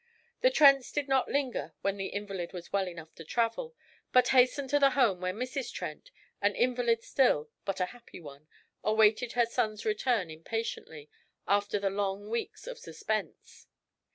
The Trents did not linger when the invalid was well enough to travel, but hastened to the home where Mrs. Trent, an invalid still, but a happy one, awaited her son's return impatiently, after the long weeks of suspense.